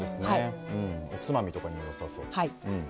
おつまみとかによさそう。